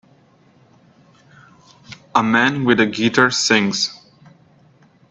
A man with a guitar sings